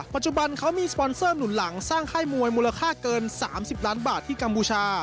ปัจจุบันเขามีสปอนเซอร์หนุนหลังสร้างค่ายมวยมูลค่าเกิน๓๐ล้านบาทที่กัมพูชา